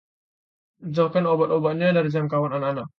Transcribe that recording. Jauhkan obat-obatan dari jangkauan anak-anak.